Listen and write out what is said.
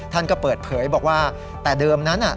ท่านก็เปิดเผยบอกว่าแต่เดิมนั้น